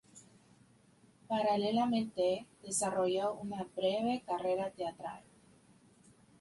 Paralelamente desarrolló una breve carrera teatral.